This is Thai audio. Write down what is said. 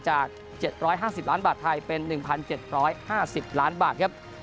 จาก๗๕๐ล้านบาทไทยเป็น๑๗๕๐ล้านบาทครับ